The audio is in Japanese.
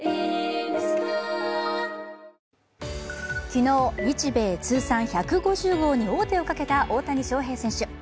昨日、日米通算１５０号に王手をかけた大谷翔平選手。